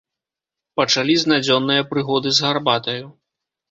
Пачалі з надзённае прыгоды з гарбатаю.